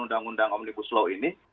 undang undang omnibus law ini